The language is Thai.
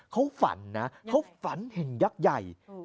เขาฝันนะเขาฝันเห็นยักษ์ใหญ่